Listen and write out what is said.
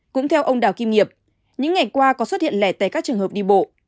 cũng theo ông đào kim nghiệp những ngày qua có xuất hiện lẻ tẻ các trường hợp đi bộ